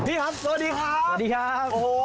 ครับสวัสดีครับสวัสดีครับ